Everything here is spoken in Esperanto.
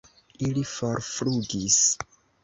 Ili forflugis.